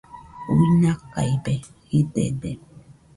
Uinakaibe jidede